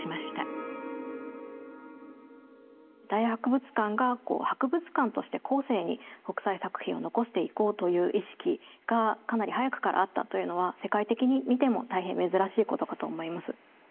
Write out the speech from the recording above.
大英博物館が博物館として後世に北斎作品を残していこうという意識がかなり早くからあったというのは世界的に見ても大変珍しいことかと思います。